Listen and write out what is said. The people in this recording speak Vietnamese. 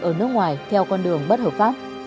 ở nước ngoài theo con đường bất hợp pháp